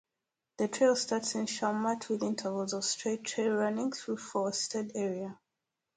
The trail starts in Shawmut with intervals of straight trail running through forested area.